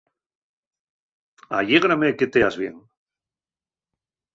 Allégrame que teas bien.